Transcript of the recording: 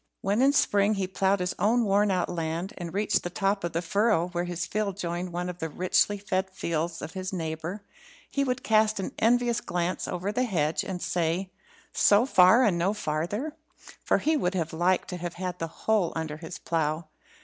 When in spring he ploughed his own worn out land, and reached the top of the furrow where his field joined one of the richly fed fields of his neighbour, he would cast an envious glance over the hedge, and say, "So far and no farther?" for he would have liked to have had the whole under his plough.